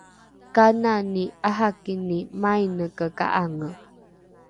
kanani ’arakini maineke ka’ange?